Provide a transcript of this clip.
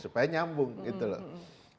supaya nyambung gitu loh